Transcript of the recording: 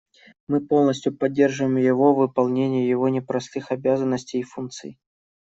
Мы полностью поддерживаем его в выполнении его непростых обязанностей и функций.